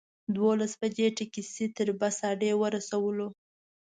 دولس بجې ټکسي تر بس اډې ورسولو.